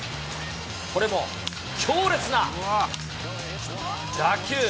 これも強烈な打球。